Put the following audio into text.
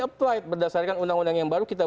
applight berdasarkan undang undang yang baru kita